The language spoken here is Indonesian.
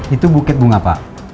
itu bukit bunga pak